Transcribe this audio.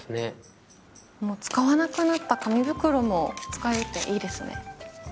もう使わなくなった紙袋も使えるっていいですね。